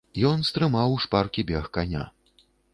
Ён стрымаў шпаркі бег каня.